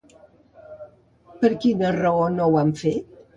Per quina raó no ho han fet?